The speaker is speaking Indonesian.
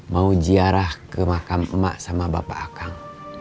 mau ziarah ke makam emak sama bapak akang